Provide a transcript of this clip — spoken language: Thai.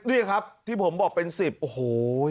นี่ครับที่ผมบอกเป็น๑๐โอ้โห